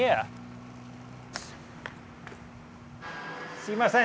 すみません。